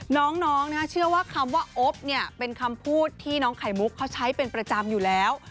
น้องเชื่อว่าคำว่าอบเนี่ยเป็นคำพูดที่น้องไข่มุกเขาใช้เป็นประจำอยู่แล้ว